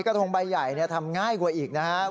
ทงใบใหญ่ทำง่ายกว่าอีกนะครับ